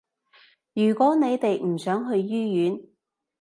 如果你哋唔想去醫院